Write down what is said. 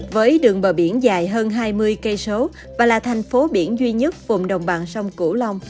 với đường bờ biển dài hơn hai mươi km và là thành phố biển duy nhất vùng đồng bằng sông cửu long